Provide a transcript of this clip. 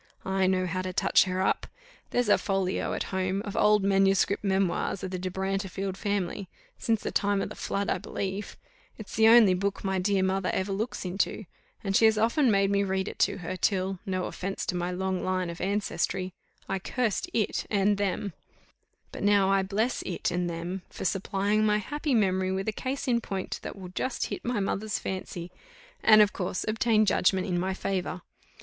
I know how to touch her up. There's a folio, at home, of old Manuscript Memoirs of the De Brantefield family, since the time of the flood, I believe: it's the only book my dear mother ever looks into; and she has often made me read it to her, till no offence to my long line of ancestry I cursed it and them; but now I bless it and them for supplying my happy memory with a case in point, that will just hit my mother's fancy, and, of course, obtain judgment in my favour.